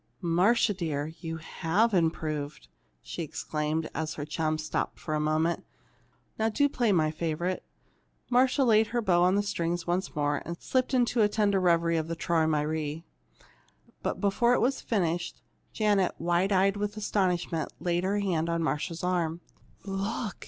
"Marcia dear, you have improved!" she exclaimed, as her chum stopped for a moment. "Now do play my favorite!" Marcia laid her bow on the strings once more, and slipped into the tender reverie of the "Träumerei." But before it was half finished, Janet, wide eyed with astonishment, laid her hand on Marcia's arm. "Look!"